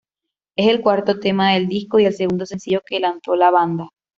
Es el cuarto tema del disco y el segundo sencillo que lanzó la banda.